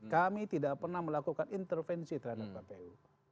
kami tidak pernah melakukan intervensi terhadap kpu